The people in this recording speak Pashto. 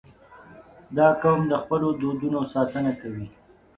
• دا قوم د خپلو دودونو ساتنه کوي.